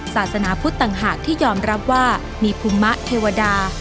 ศาสนาพุทธต่างหากที่ยอมรับว่ามีภูมิมะเทวดา